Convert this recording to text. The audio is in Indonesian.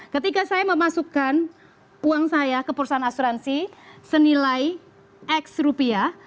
ketika saya memasukkan uang saya ke perusahaan asuransi senilai x rupiah